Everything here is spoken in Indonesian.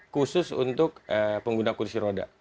khusus untuk pengguna kursi roda